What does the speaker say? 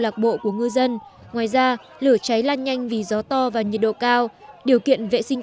lạc bộ của ngư dân ngoài ra lửa cháy lan nhanh vì gió to và nhiệt độ cao điều kiện vệ sinh